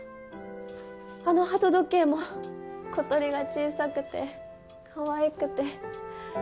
あの鳩時計も小鳥が小さくてかわいくて。